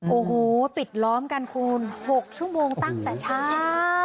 โอ้โหปิดล้อมกันคูณ๖ชั่วโมงตั้งแต่เช้า